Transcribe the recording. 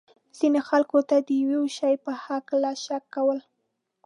ځینو خلکو ته د یو شي په هکله شک کول.